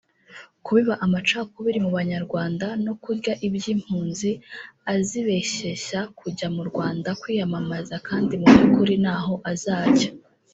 kubiba amacakubiri mu banyarwanda no kurya iby’impunzi azibeshyeshya kujya mu Rwanda kwiyamamaza kandi mubyukuri ntaho azajya